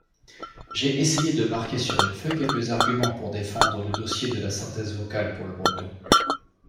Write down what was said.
J’ai essayé de marquer sur une feuille quelques arguments pour défendre le dossier de la synthèse vocale pour le breton.